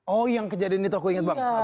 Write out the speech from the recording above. oh yang kejadian itu aku inget bang